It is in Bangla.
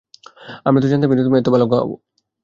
আমরা তো জানতামই না তুমি এত ভালো গাও!